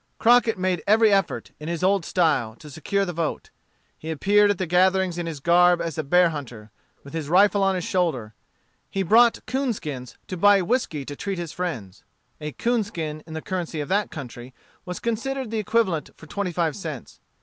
Crockett made every effort, in his old style, to secure the vote. He appeared at the gatherings in his garb as a bear hunter, with his rifle on his shoulder. He brought 'coonskins to buy whiskey to treat his friends. A 'coonskin in the currency of that country was considered the equivalent for twenty five cents.